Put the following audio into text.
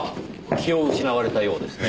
気を失われたようですね。